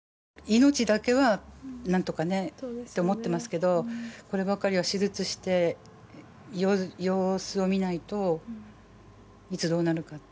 命だけは何とかねと思っていますけどもこればかりは手術して様子を見ないといつ、どうなるかって。